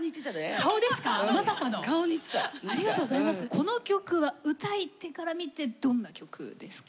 この曲は歌い手から見てどんな曲ですか？